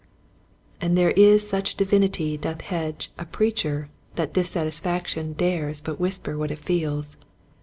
And there is such divinity doth hedge a preacher that dissatisfaction dares but whisper what it feels.